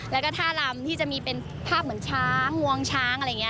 แล้วก็ท่าลำที่จะมีเป็นภาพเหมือนช้างงวงช้างอะไรอย่างนี้